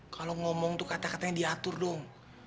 kalau ngomong tuh kata katanya diatur dong